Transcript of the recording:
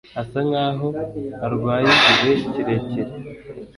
Asa nkaho arwaye igihe kirekire.